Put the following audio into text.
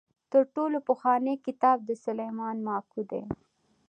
تر ټولو پخوانی کتاب د سلیمان ماکو دی.